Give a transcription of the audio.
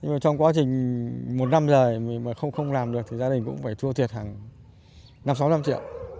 nhưng mà trong quá trình một năm rời mà không làm được thì gia đình cũng phải thua thiệt hàng năm trăm linh sáu trăm linh triệu